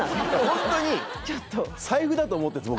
ホントに財布だと思ってるんです